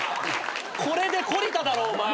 これで懲りただろお前。